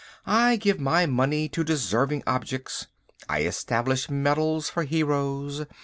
"I give my money to deserving objects. I establish medals for heroes.